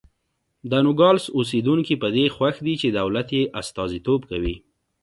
د نوګالس اوسېدونکي په دې خوښ دي چې دولت یې استازیتوب کوي.